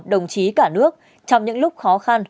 đồng chí cả nước trong những lúc khó khăn